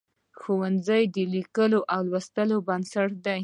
ښوونځی د لیکلو او لوستلو بنسټ دی.